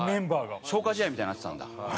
消化試合みたいになってたんだ。